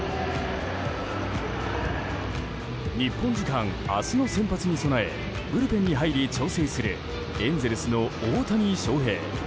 日本時間明日の先発に備えブルペンに入り調整するエンゼルスの大谷翔平。